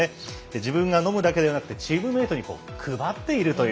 自分が飲むだけではなくてチームメートに配っているという。